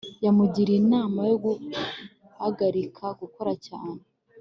yamugiriye inama yo guhagarika gukora cyane